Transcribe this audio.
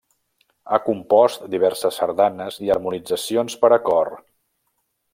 Ha compost diverses sardanes i harmonitzacions per a cor.